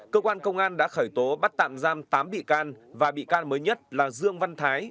cơ quan công an đã khởi tố bắt tạm giam tám bị can và bị can mới nhất là dương văn thái